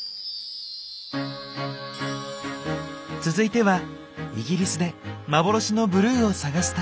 続いてはイギリスで幻のブルーを探す旅。